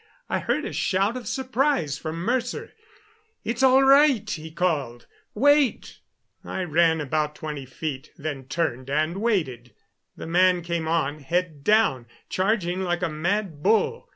I heard a shout of surprise from Mercer. "It's all right," he called. "Wait." I ran about twenty feet, then turned and waited. The man came on, head down, charging like a mad bull.